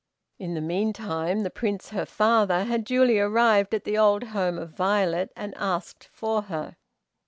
In the meantime, the Prince, her father, had duly arrived at the old home of Violet and asked for her.